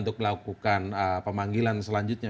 untuk melakukan pemanggilan selanjutnya